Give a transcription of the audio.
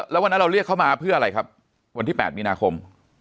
แล้ววันนั้นเราเรียกเขามาเพื่ออะไรครับวันที่๘มีนาคม